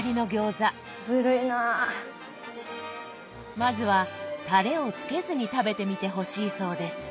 まずはたれをつけずに食べてみてほしいそうです。